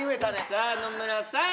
さあ野村さん